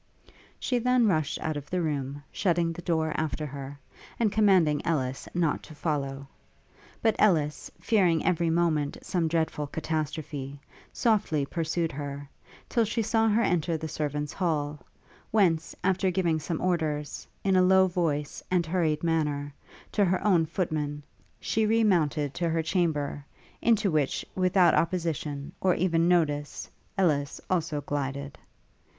She then rushed out of the room, shutting the door after her, and commanding Ellis not to follow: but Ellis fearing every moment some dreadful catastrophe, softly pursued her, till she saw her enter the servants' hall; whence, after giving some orders, in a low voice and hurried manner, to her own footman, she re mounted to her chamber; into which, without opposition, or even notice, Ellis also glided.